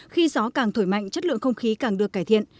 khi gió càng thổi mạnh chất lượng không khí càng được cải thiện